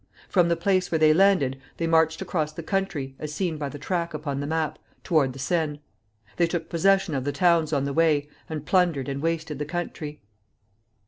From the place where they landed they marched across the country, as seen by the track upon the map, toward the Seine. They took possession of the towns on the way, and plundered and wasted the country. [Illustration: MAP CAMPAIGN OF CRECY.